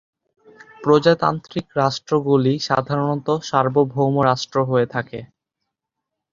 প্রজাতান্ত্রিক রাষ্ট্রগুলি সাধারণত সার্বভৌম রাষ্ট্র হয়ে থাকে।